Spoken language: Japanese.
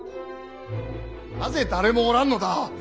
なぜ誰もおらんのだ。